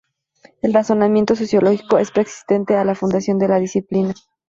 El razonamiento sociológico es preexistente a la fundación de la disciplina.